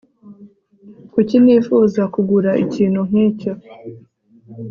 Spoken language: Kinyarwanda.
Kuki nifuza kugura ikintu nkicyo